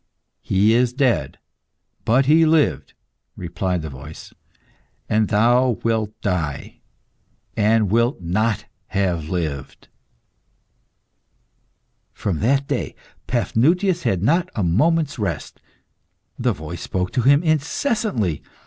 "He is dead, but he lived," replied the voice; "and thou wilt die, and wilt not have lived." From that day, Paphnutius had not a moment's rest. The voice spoke to him incessantly.